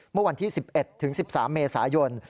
เมื่อวันที่๑๑ถึง๑๓เมษายน